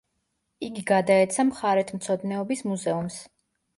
იგი გადაეცა მხარეთმცოდნეობის მუზეუმს.